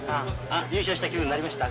優勝した気分になりました？